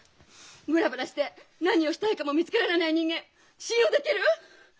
ブラブラして何をしたいかも見つけられない人間信用できる！？